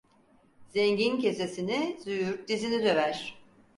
Zengin kesesini, züğürt dizini döver.